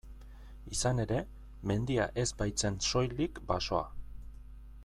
Izan ere, mendia ez baitzen soilik basoa.